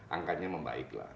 angkanya membaik lah